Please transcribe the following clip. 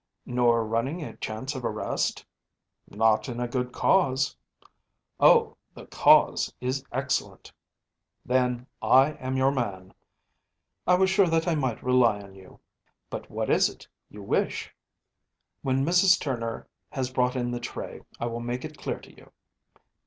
‚ÄĚ “Nor running a chance of arrest?‚ÄĚ “Not in a good cause.‚ÄĚ “Oh, the cause is excellent!‚ÄĚ “Then I am your man.‚ÄĚ “I was sure that I might rely on you.‚ÄĚ “But what is it you wish?‚ÄĚ “When Mrs. Turner has brought in the tray I will make it clear to you.